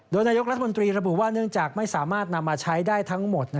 โดยนายกรัฐมนตรีระบุว่าเนื่องจากไม่สามารถนำมาใช้ได้ทั้งหมด